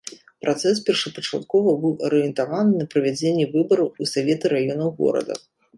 Працэс першапачаткова быў арыентаваны на правядзенне выбараў у саветы раёнаў горада.